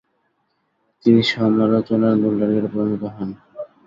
তিনি সমালােচনার মূল টার্গেটে পরিণত হন।